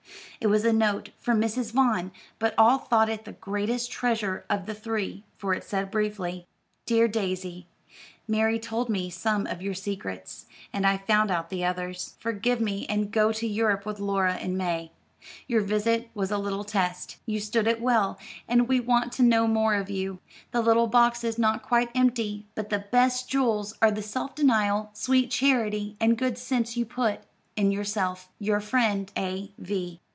It was a note from Mrs. Vaughn, but all thought it the greatest treasure of the three, for it said briefly, "DEAR DAISY, Mary told me some of your secrets, and I found out the others. Forgive me and go to Europe with Laura, in May. Your visit was a little test. You stood it well, and we want to know more of you. The little box is not quite empty, but the best jewels are the self denial, sweet charity, and good sense you put in yourself. "Your friend, A. V."